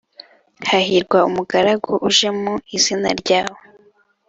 hahirwa umugaragu uje mu izina ryawe